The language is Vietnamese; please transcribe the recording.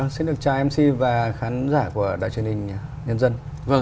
xin được chào mc và khán giả của đại truyền nhân dân